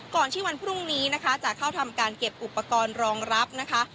ที่วันพรุ่งนี้นะคะจะเข้าทำการเก็บอุปกรณ์รองรับนะคะ